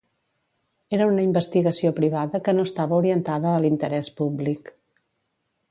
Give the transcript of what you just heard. Era una investigació privada que no estava orientada a l'interès públic.